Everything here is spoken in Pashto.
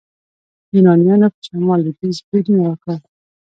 یونانیانو په شمال لویدیځ بریدونه وکړل.